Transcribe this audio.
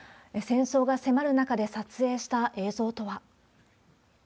戦争が迫る中で撮影した映像とは。